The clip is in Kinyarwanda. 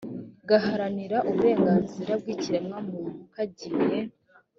gaharanira uburenganzira bw ikiremwamuntu kagiye